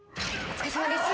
お疲れさまです。